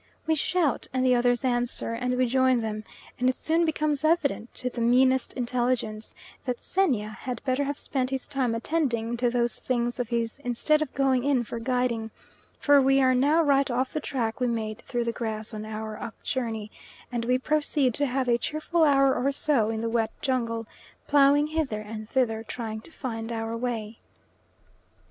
We shout and the others answer, and we join them, and it soon becomes evident to the meanest intelligence that Xenia had better have spent his time attending to those things of his instead of going in for guiding, for we are now right off the track we made through the grass on our up journey, and we proceed to have a cheerful hour or so in the wet jungle, ploughing hither and thither, trying to find our way.